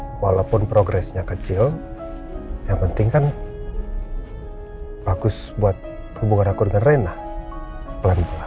nah walaupun progresnya kecil yang penting kan bagus buat hubungan aku dengan rena pelan pelan